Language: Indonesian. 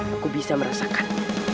aku bisa merasakan